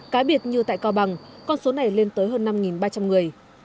cá biệt như tại cao bằng con số này lên tới hơn năm ba trăm linh người